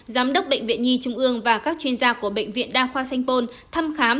giám đốc bệnh viện nhi trung ương và các chuyên gia của bệnh viện đa khoa sanh pôn thăm khám